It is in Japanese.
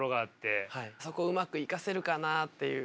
そこをうまく生かせるかなっていう。